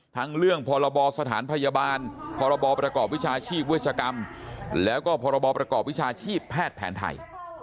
ทั้งเรื่องพรบสถานพยาบาลพรบประกอบวิชาชีพเวชกรรมแล้วก็พรบประกอบวิชาชีพแพทย์แผนไทย